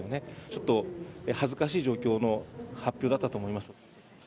ちょっと恥ずかしい状況の発表だったと思います。